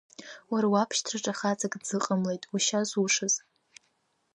Уара уабшьҭраҿы хаҵак дзыҟамлеит ушьа зушаз.